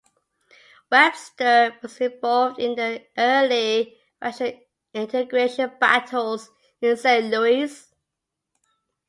Webster was involved in the early racial integration battles in Saint Louis.